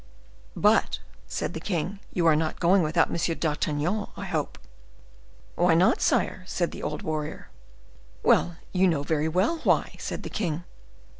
"But," said the king, "you are not going without M. d'Artagnan, I hope." "Why not, sire?" said the old warrior. "Well! you know very well why," said the king.